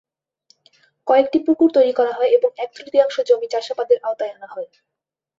কয়েকটি পুকুর তৈরি করা হয় এবং এক-তৃতীয়াংশ জমি চাষাবাদের আওতায় আনা হয়।